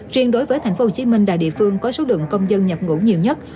riêng đối với tp hcm đại địa phương có số lượng công dân nhập ngũ nhiều nhất